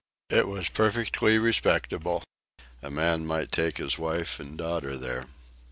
It was perfectly respectable. A man might take his wife and daughter there.